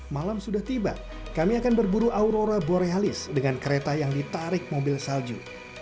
malam sudah tiba kami akan berburu aurora borealis dengan kereta yang ditarik mobil salju